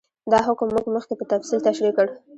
دا حکم موږ مخکې په تفصیل تشرېح کړ.